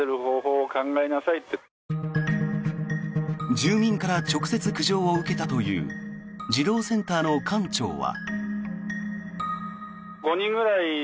住民から直接苦情を受けたという児童センターの館長は。